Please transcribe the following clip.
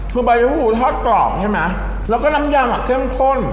คือบายุหูทาสกรอบใช่ไหมแล้วก็น้ำยาหมาเข้มข้น